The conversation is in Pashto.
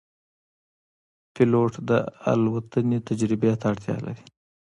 پیلوټ د الوتنې تجربې ته اړتیا لري.